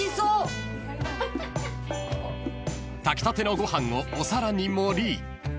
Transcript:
［炊きたてのご飯をお皿に盛り］